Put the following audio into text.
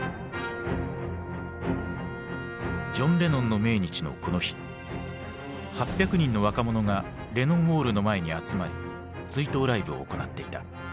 ジョン・レノンの命日のこの日８００人の若者がレノン・ウォールの前に集まり追悼ライブを行っていた。